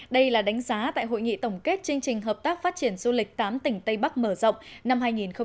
đây là đánh giá tại hội nghị tổng kết chương trình hợp tác phát triển du lịch tám tỉnh tây bắc mở rộng năm hai nghìn một mươi chín